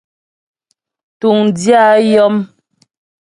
Túŋdyə̂ a yɔm.